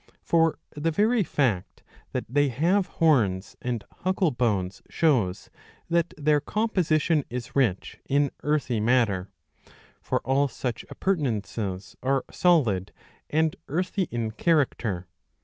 For the very fact that they have horns and huckle bones ^ shows that their composition is rich in earthy matter ; for all such appurtenances are solid and earthy in character.